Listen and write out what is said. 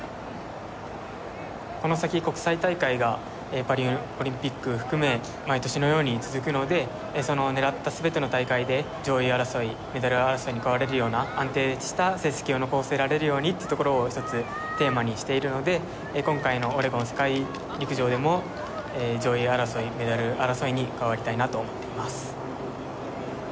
この先、国際大会がパリオリンピックを含めて毎年のように続くので、その狙った全ての大会で上位争い、メダル争いに加われるような、安定した成績を残せられるようにというところを一つテーマにしているので今回のオレゴン世界陸上でも上位争い、メダル争いに加わりたいなと思っています。